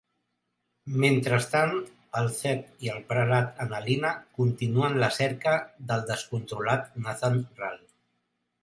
Mentrestant, el Zedd i el Prelat Annalina continuen la cerca del descontrolat Nathan Rahl.